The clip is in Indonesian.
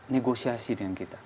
negosiasi dengan kita